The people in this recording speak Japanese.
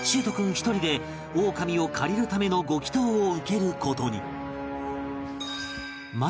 一人でオオカミを借りるためのご祈祷を受ける事に